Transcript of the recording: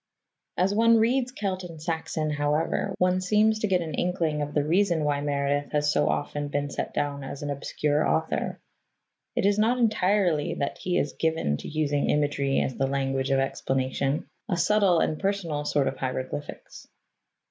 As one reads Celt and Saxon, however, one seems to get an inkling of the reason why Meredith has so often been set down as an obscure author. It is not entirely that he is given to using imagery as the language of explanation a subtle and personal sort of hieroglyphics.